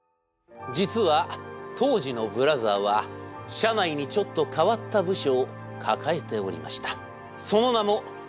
実は当時のブラザーは社内にちょっと変わった部署を抱えておりました。